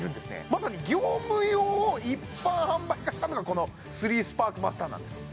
まさに業務用を一般販売化したのがこの３スパークマスターなんです